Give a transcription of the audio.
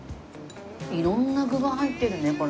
色んな具が入ってるね